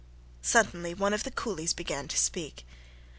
Suddenly one of the coolies began to speak.